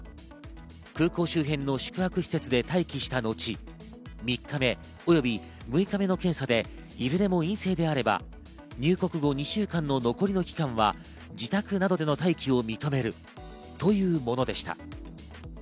空港周辺の宿泊施設で待機した後、３日目及び６日目の検査でいずれも陰性であれば、入国後２週間の残りの期間は自宅などでの待機を認めるというものでした。